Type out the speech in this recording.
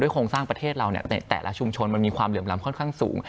โครงสร้างประเทศเราแต่ละชุมชนมันมีความเหลื่อมล้ำค่อนข้างสูง